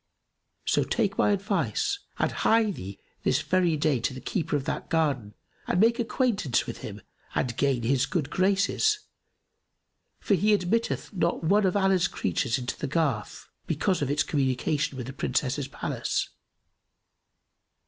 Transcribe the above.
So take my advice and hie thee this very day to the keeper of that garden and make acquaintance with him and gain his good graces, for he admitteth not one of Allah's creatures into the garth, because of its communication with the Princess's palace.